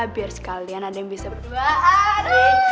biar sekalian ada yang bisa berduaan